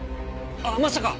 あっまさか！